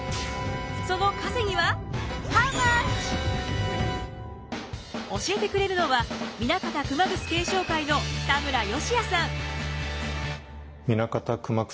その稼ぎは教えてくれるのは南方熊楠顕彰会の田村義也さん。